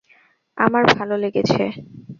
আমার ভালো লেগেছে।